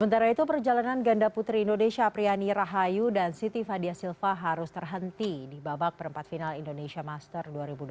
sementara itu perjalanan ganda putri indonesia apriani rahayu dan siti fadia silva harus terhenti di babak perempat final indonesia master dua ribu dua puluh